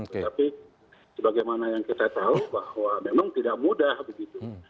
tetapi sebagaimana yang kita tahu bahwa memang tidak mudah begitu